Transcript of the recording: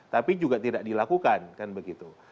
tapi juga tidak dilakukan kan begitu